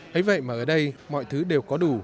thế vậy mà ở đây mọi thứ đều có đủ